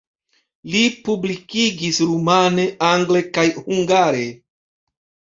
Li publikigis rumane, angle kaj hungare.